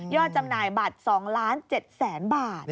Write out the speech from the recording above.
จำหน่ายบัตร๒ล้าน๗แสนบาท